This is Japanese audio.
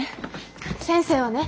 先生はね